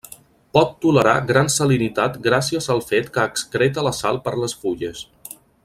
Pot tolerar gran salinitat gràcies al fet que excreta la sal per les fulles.